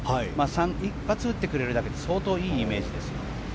１発打ってくれるだけで相当いいイメージですよ。